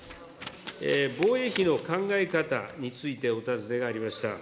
防衛費の考え方についてお尋ねがありました。